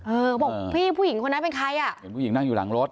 เขาบอกพี่ผู้หญิงคนนั้นเป็นใครอ่ะเห็นผู้หญิงนั่งอยู่หลังรถ